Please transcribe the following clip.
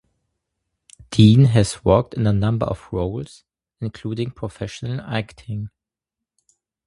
Dean has worked in a number of roles, including professional acting.